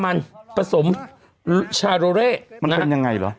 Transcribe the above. มันเป็นยังไงหรือ